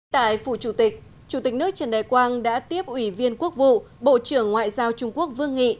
tại phủ chủ tịch chủ tịch nước trần đại quang đã tiếp ủy viên quốc vụ bộ trưởng ngoại giao trung quốc vương nghị